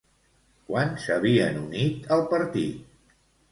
Quan s'havien unit al partit?